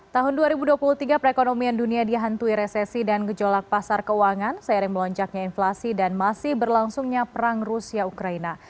tahun dua ribu dua puluh tiga perekonomian dunia dihantui resesi dan gejolak pasar keuangan seiring melonjaknya inflasi dan masih berlangsungnya perang rusia ukraina